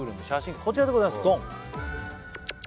こちらでございますドン！